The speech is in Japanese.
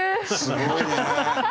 すごいね！